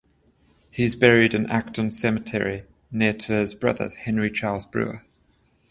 He is buried in Acton Cemetery near to his brother Henry Charles Brewer.